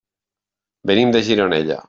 Venim de Gironella.